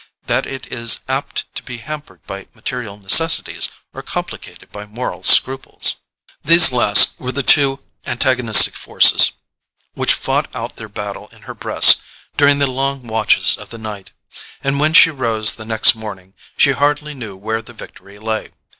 That it is apt to be hampered by material necessities or complicated by moral scruples? These last were the two antagonistic forces which fought out their battle in her breast during the long watches of the night; and when she rose the next morning she hardly knew where the victory lay.